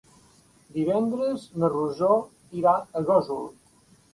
Divendres na Rosó irà a Gósol.